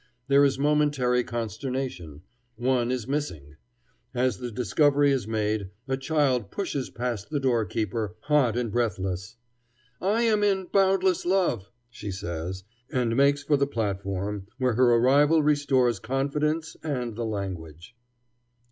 There is momentary consternation: one is missing. As the discovery is made, a child pushes past the doorkeeper, hot and breathless. "I am in 'Boundless Love,'" she says, and makes for the platform, where her arrival restores confidence and the language.